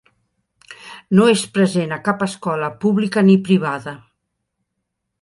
No és present a cap escola pública ni privada.